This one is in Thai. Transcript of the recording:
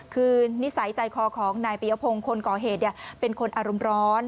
คือนิสัยใจคอของนายปียพงศ์คนก่อเหตุเป็นคนอารมณ์ร้อน